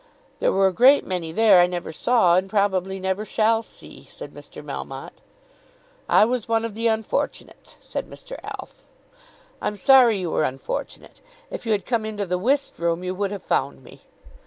"There were a great many there I never saw, and probably never shall see," said Mr. Melmotte. "I was one of the unfortunates," said Mr. Alf. "I'm sorry you were unfortunate. If you had come into the whist room you would have found me."